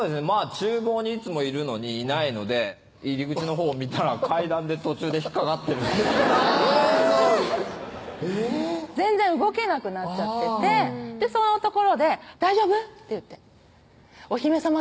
厨房にいつもいるのにいないので入り口のほう見たら階段で途中で引っ掛かってるあぁそうえぇ全然動けなくなっちゃっててそのところで「大丈夫？」って言ってお姫さま